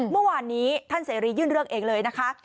เมื่อวานนี้ท่านเสรียื่นเรื่องเองเลยนะคะ